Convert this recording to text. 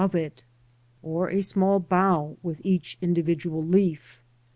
of it, or a small bough, with each individual leaf.